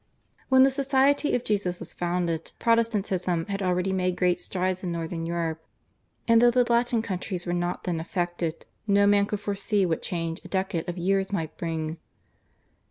When the Society of Jesus was founded, Protestantism had already made great strides in Northern Europe, and though the Latin countries were not then affected no man could foresee what change a decade of years might bring.